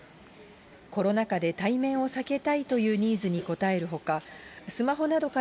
コロナ禍で対面を避けたいというニーズに応えるほか、